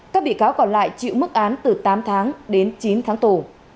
các bị cáo còn lại chịu mức án từ tám tháng đến chín tháng tù